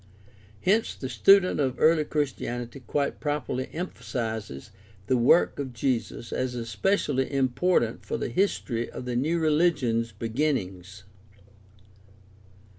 Hence the student of early Christianity quite properly emphasizes the work of Jesus as especially important for the history of the new religion's beginnings.